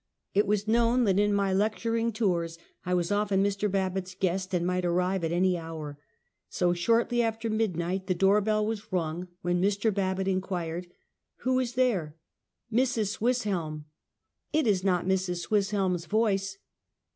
It was known that in my lecturing tours, I was often Mr. Babbitt's guest, and might arrive at any hour. So, shortly after midnight, the door bell was rung, when Mr. Babbitt inquired: " Who is there?" "Mrs. Swisshelm.' "It is not Mrs. Swisshelm's voice?"